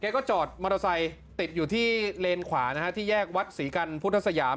ก็จอดมอเตอร์ไซค์ติดอยู่ที่เลนขวานะฮะที่แยกวัดศรีกันพุทธสยาม